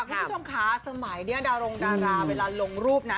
คุณผู้ชมค่ะสมัยนี้ดารงดาราเวลาลงรูปนะ